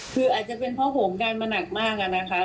คืออาจจะเป็นเพราะโหมดันมาหนักมากอะนะคะ